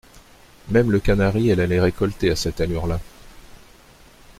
Même le canari, elle allait récolter, à cette allure-là.